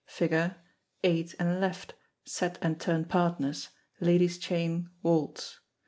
Figure. Eight and left, set and turn partners ladies' chain, waltz.